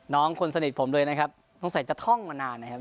คนสนิทผมเลยนะครับสงสัยจะท่องมานานนะครับ